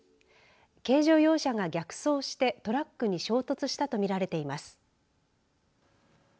軽乗用車が逆走してトラックに衝突したと見られています。